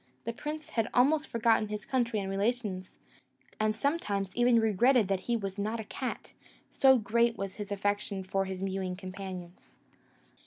The prince had almost forgotten his country and relations, and sometimes even regretted that he was not a cat, so great was his affection for his mewing companions.